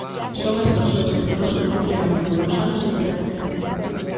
Son as persoas que no noso país levan máis de dous anos en desemprego.